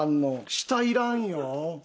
下いらんよ。